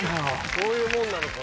そういうもんなのかな？